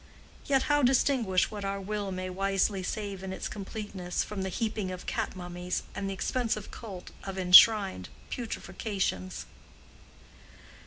Yet how distinguish what our will may wisely save in its completeness, from the heaping of cat mummies and the expensive cult of enshrined putrefactions?